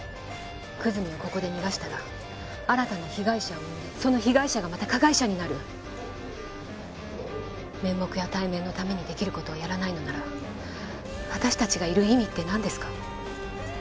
久住をここで逃がしたら新たな被害者を生んでその被害者がまた加害者になる面目や体面のためにできることをやらないのなら私達がいる意味って何ですか？